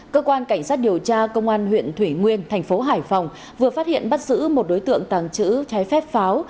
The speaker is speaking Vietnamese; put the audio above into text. cơ quan cảnh sát điều tra công an huyện thủy nguyên thành phố hải phòng vừa phát hiện bắt giữ một đối tượng tàng trữ trái phép pháo